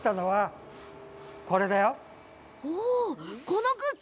このグッズ